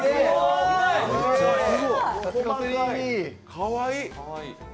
かわいい。